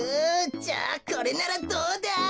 じゃあこれならどうだ？